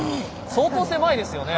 相当狭いですよね？